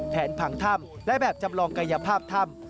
ผังถ้ำและแบบจำลองกายภาพถ้ำ